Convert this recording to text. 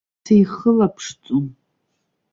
Сихылаԥшӡом.